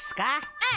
うん！